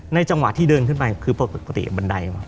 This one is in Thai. จังหวะที่เดินขึ้นไปคือปกติบันได